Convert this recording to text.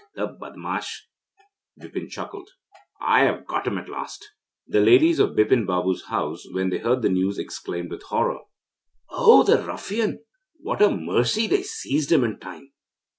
'The badmash,' Bipin chuckled; 'I have got him at last.' The ladies of Bipin Babu's house, when they heard the news, exclaimed with horror: 'Oh, the ruffian! What a mercy they seized him in time!'